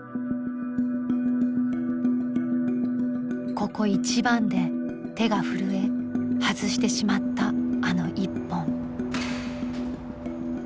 ここ一番で手が震え外してしまったあの１本。